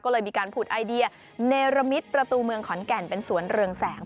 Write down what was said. ก็เลยมีการผุดไอเดียเนรมิตประตูเมืองขอนแก่นเป็นสวนเรืองแสง